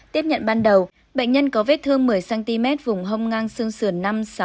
tiếp nhận ban đầu bệnh nhân có vết thương một mươi cm vùng hông ngang xương sườn năm sáu